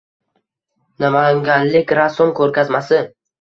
Namanganlik rassom ko‘rgazmasi